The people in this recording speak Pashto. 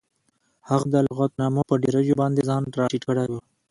هغه د لغتنامو په ډیریو باندې ځان راټیټ کړی و